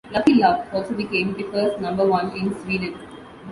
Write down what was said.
"Lucky Love" also became their first number-one in Sweden.